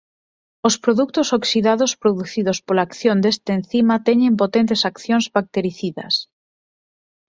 Os produtos oxidados producidos pola acción deste encima teñen potentes accións bactericidas.